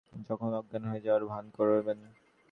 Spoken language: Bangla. আরও বললেন, যখন খুব মারতে যাবে, তখন অজ্ঞান হয়ে যাওয়ার ভান করবেন।